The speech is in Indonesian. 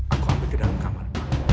aku ambil ke dalam kamar